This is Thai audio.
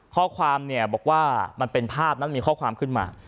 ข้อความบอกว่ามันเป็นภาพมีข้อความขึ้นมา